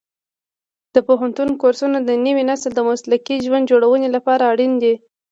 د پوهنتون کورسونه د نوي نسل د مسلکي ژوند جوړونې لپاره اړین دي.